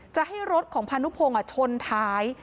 จะให้รถของพานุพงศ์ชนท้าย